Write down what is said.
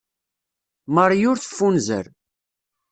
Marie ur teffunzer.